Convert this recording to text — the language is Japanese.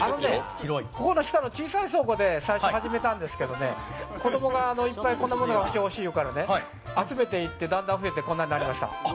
ここの下の小さい倉庫で最初始めたんですけどね、子供がいっぱいこういうのがほしいほしいっていうから集めていってだんだん増えて、こんなになりました。